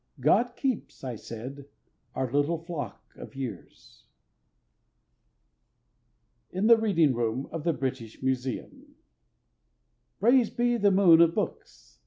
"God keeps," I said, "our little flock of years." In the Reading Room of the British Museum PRAISED be the moon of books!